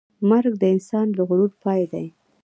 مرګ د انسان د غرور پای دی.